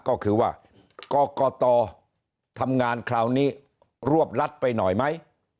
ก็คือว่ากรกตทำงานคราวนี้รวบรัดไปหน่อยไหม